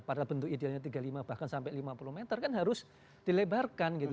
padahal bentuk idealnya tiga puluh lima bahkan sampai lima puluh meter kan harus dilebarkan gitu